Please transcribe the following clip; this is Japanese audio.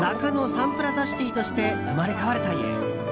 サンプラザシティとして生まれ変わるという。